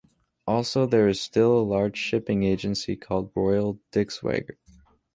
Also, there is still a large shipping agency called Royal Dirkzwager.